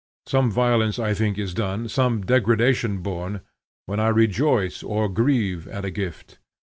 Some violence I think is done, some degradation borne, when I rejoice or grieve at a gift.